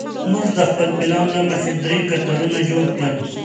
موږ د خپل پلان له مخې درې کتارونه جوړ کړل.